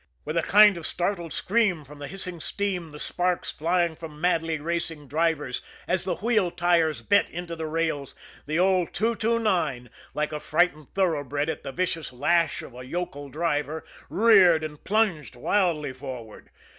With a kind of startled scream from the hissing steam, the sparks flying from madly racing drivers as the wheel tires bit into the rails, the old 229, like a frightened thoroughbred at the vicious lash of a yokel driver, reared and plunged wildly forward.